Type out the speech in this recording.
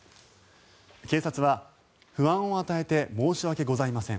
警察は不安を与えて申し訳ございません